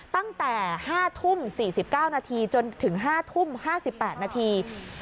ตั้งแต่๕ทุ่ม๔๙นาทีจนถึง๕ทุ่ม๕๘นาที